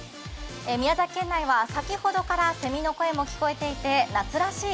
宮崎県内は先ほどからせみの声も聞こえていて夏らしい